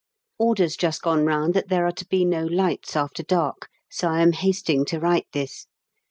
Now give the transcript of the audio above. _ Orders just gone round that there are to be no lights after dark, so I am hasting to write this.